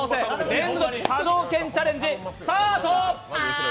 連続波動拳チャレンジスタート。